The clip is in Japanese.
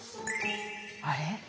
あれ？